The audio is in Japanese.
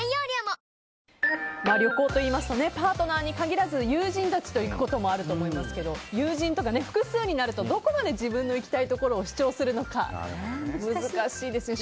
旅行といいますとパートナーに限らず友人たちと行くこともあると思いますが友人とか複数になるとどこまで自分の行きたいところを主張するのか難しいですよね。